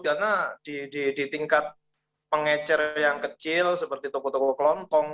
karena di tingkat pengecer yang kecil seperti toko toko klontong